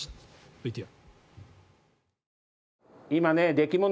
ＶＴＲ。